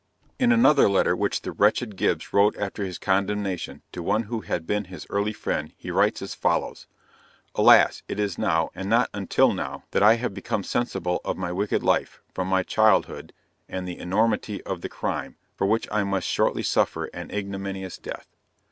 In another letter which the wretched Gibbs wrote after his condemnation to one who had been his early friend, he writes as follows: "Alas! it is now, and not until now, that I have become sensible of my wicked life, from my childhood, and the enormity of the crime, for which I must shortly suffer an ignominious death!